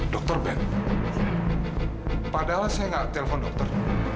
dokter ben padahal saya nggak telpon dokter